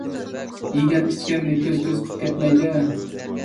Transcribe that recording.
يىگەن ئىچكەننى كۆز كۆز قىپ كەتمەيلى ،